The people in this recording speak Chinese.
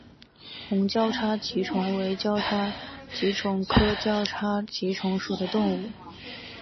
红交叉棘虫为交叉棘虫科交叉棘虫属的动物。